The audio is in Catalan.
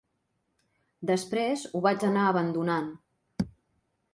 Després ho vaig anar abandonant.